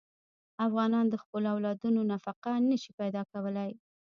افغانان د خپلو اولادونو نفقه نه شي پیدا کولی.